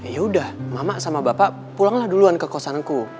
yaudah mama sama bapak pulanglah duluan ke kosanku